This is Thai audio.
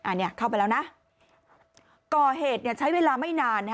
อันนี้เข้าไปแล้วนะก่อเหตุใช้เวลาไม่นาน